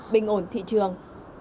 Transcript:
bình ổn thị trường